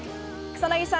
草薙さん